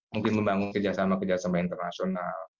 mungkin membangun kerjasama kerjasama internasional